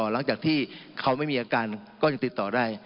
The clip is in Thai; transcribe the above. หลังจากที่เขาไม่มีอาการก็ยังติดต่อได้